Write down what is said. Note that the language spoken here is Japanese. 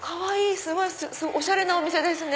すごいおしゃれなお店ですね。